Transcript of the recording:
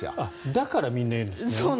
だからみんな言うんですね。